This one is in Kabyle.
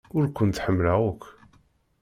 Ur kent-ḥemmleɣ akk.